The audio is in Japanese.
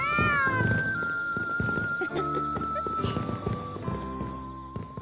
フフフフフ。